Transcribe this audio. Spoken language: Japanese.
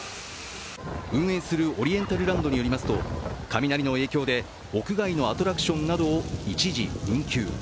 運営するオリエンタルランドによりますと雷の影響で屋外のアトラクションなどを一時運休。